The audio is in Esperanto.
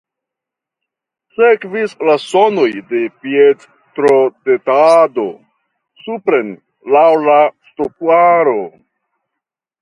Sekvis la sonoj de piedtrotetado supren laŭ la ŝtuparo.